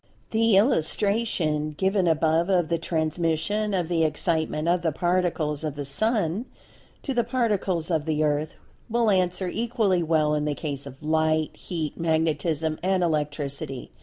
The illustration given above of the transmission of the Excitement of the Particles of the Sun to the Particles of the Earth, will answer equally well in the case of Light, Heat, Magnetism and Electricity.